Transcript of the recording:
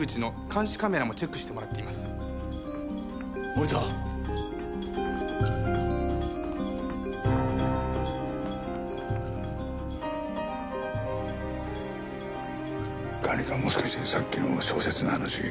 管理官もしかしてさっきの小説の話。